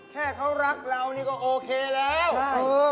แค่เขารักเราก็โอเคแล้วใช่